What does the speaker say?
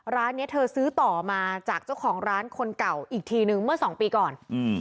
ร้านนี้เธอซื้อต่อมาจากเจ้าของร้านคนเก่าอีกทีนึงเมื่อสองปีก่อน